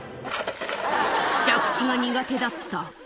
着地が苦手だった。